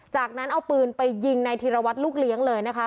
จากนั้นเอาปืนไปยิงในธีรวัตรลูกเลี้ยงเลยนะคะ